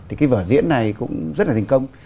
thì cái vở diễn này cũng rất là thành công